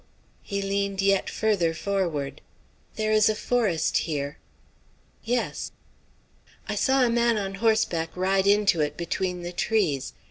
He leaned yet further forward. "There is a forest here." "Yes." "I saw a man on horseback ride into it between the trees.